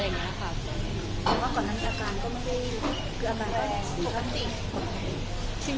แล้วก็ก่อนนั้นอาการก็ไม่ได้คืออาการแบบนี้ค่ะ